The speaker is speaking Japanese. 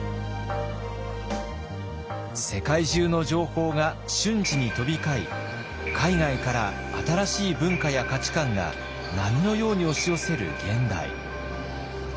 世界中の情報が瞬時に飛び交い海外から新しい文化や価値観が波のように押し寄せる現代。